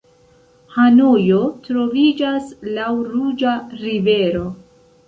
Hanojo troviĝas laŭ Ruĝa rivero.